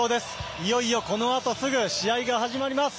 いよいよこのあとすぐ試合が始まります。